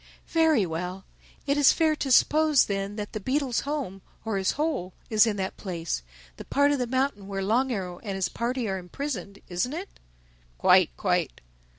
"Very well. It is fair to suppose then that the beetle's home, or his hole, is in that place—the part of the mountain where Long Arrow and his party are imprisoned, isn't it?" "Quite, quite."